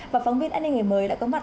và phóng viên an ninh ngày mới đã có mặt